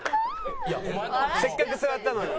せっかく座ったのに。